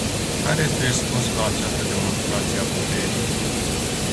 Care este răspunsul la această demonstrație a puterii?